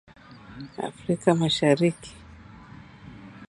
Afrika Mashariki